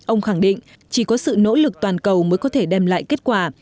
ông khẳng định chỉ có sự nỗ lực toàn cầu mới có thể đem lại kết quả